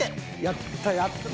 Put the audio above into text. やったやった。